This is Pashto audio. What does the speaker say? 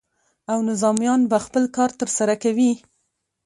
او نظامیان به خپل کار ترسره کوي.